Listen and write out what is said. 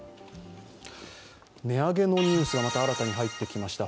値上げのニュースがまた新たに入ってきました。